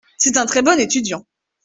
C’est un très bon étudiant.